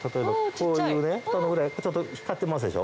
このぐらいちょっと光ってますでしょ？